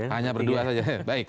hanya berdua saja